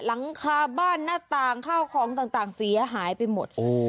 หลังคาบ้านหน้าต่างข้าวของต่างเสียหายไปหมด